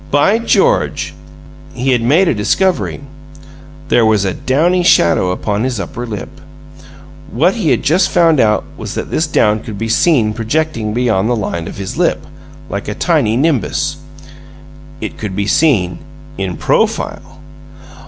"By George!" He had made a discovery. There was a downy shadow upon his upper lip. What he had just found out was that this down could be seen projecting beyond the line of his lip, like a tiny nimbus. It could be seen in PROFILE.